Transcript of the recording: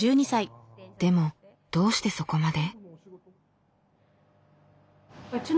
でもどうしてそこまで？